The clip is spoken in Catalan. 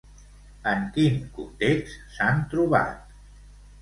En quin context s'han trobat?